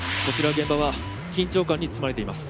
現場は緊張感に包まれています